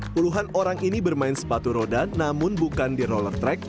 puluhan orang ini bermain sepatu roda namun bukan di roller track